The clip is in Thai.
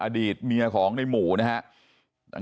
อดีตเมียของในหมู่นะครับ